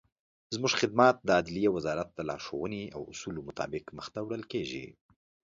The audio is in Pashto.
زموږخدمات دعدلیي وزارت دلارښووني او داصولو مطابق مخته وړل کیږي.